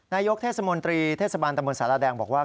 นายกเทศมนตรีเทศบาลตะมนต์สารแดงบอกว่า